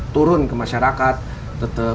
turun ke masyarakat tetap